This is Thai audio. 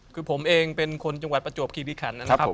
คือผมเองเป็นคนจังหวัดประจวบคิริขันนะครับ